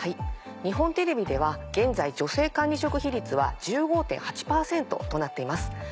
日本テレビでは現在女性管理職比率は１５．８％となっています。